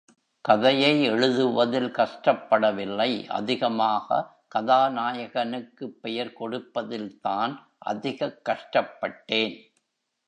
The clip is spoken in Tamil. கதையை எழுதுவதில் கஷ்டப்பட வில்லை அதிகமாக கதாநாயகனுக்குப் பெயர் கொடுப்பதில் தான் அதிகக் கஷ்டப்பட்டேன்!